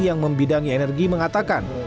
yang membidangi energi mengatakan